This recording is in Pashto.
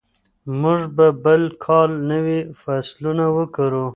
موږ به بل کال نوي فصلونه وکرو.